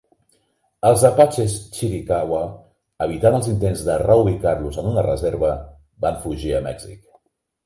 Els Apaches Chiricahua, evitant els intents de reubicar-los en una reserva, van fugir a Mèxic.